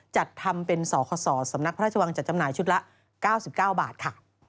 จัดทำเป็นสคสสำนักพระราชวังจัดจำหน่ายชุดละ๙๙บาทค่ะ